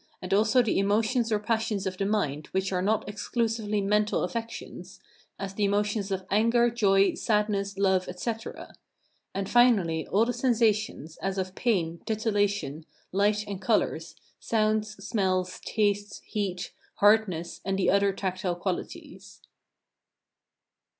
and also the emotions or passions of the mind which are not exclusively mental affections, as the emotions of anger, joy, sadness, love, etc.; and, finally, all the sensations, as of pain, titillation, light and colours, sounds, smells, tastes, heat, hardness, and the other tactile qualities.